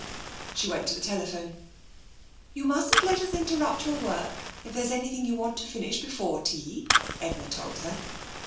She went to the telephone. " You mustn't let us interrupt your work if there's anything you want to finish before tea," Edna told her.